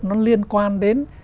nó liên quan đến